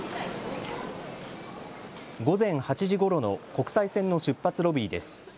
午前８時ごろの国際線の出発ロビーです。